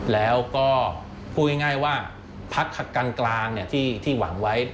แล้วก็พูดง่ายว่าพักกลางที่หวังไว้